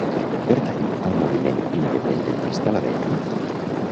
Pertany al moviment independentista la Betty?